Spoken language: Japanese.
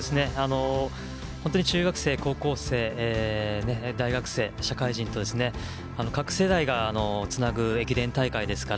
本当に中学生、高校生、大学生社会人と、各世代がつなぐ駅伝大会ですから。